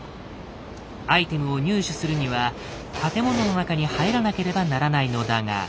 アイテムを入手するには建物の中に入らなければならないのだが。